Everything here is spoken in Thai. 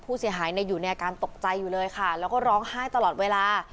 ผู้เสียหายอยู่ในอาการตกใจอยู่เลยค่ะแล้วก็ร้องไห้ตลอดเวลา